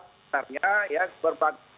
sebenarnya ya berbagai macam